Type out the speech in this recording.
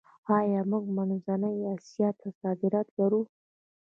آیا موږ منځنۍ اسیا ته صادرات لرو؟